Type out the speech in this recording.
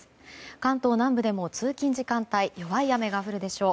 関東南部でも通勤時間帯弱い雨が降るでしょう。